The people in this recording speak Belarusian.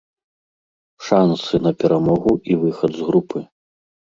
Шансы на перамогу і выхад з групы.